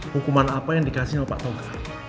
hukuman apa yang dikasih sama pak toga